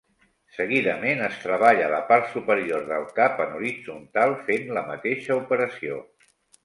Seguidament, es treballa la part superior del cap en horitzontal fent la mateixa operació.